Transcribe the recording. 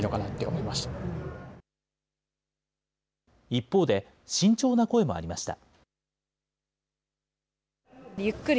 一方で、慎重な声もありました。